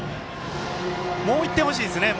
もう１点欲しいですね。